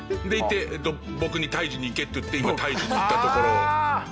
僕に「退治に行け」って言って今退治に行ったところ。